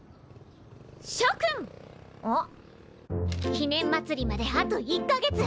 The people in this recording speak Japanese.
記念まつりまであと１か月！